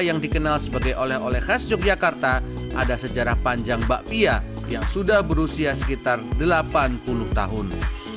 yang dikenal sebagai oleh oleh khas yogyakarta ada sejarah panjang bakpia yang sudah berusia sekitar delapan puluh tahun